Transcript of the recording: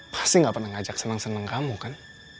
pasti gak pernah ngajak seneng seneng kamu kan